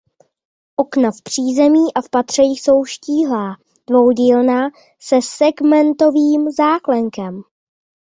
Okna v přízemí a v patře jsou štíhlá dvoudílná se segmentovým záklenkem.